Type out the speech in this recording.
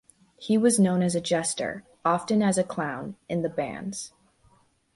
He was known as a jester, often as a clown, in the bands.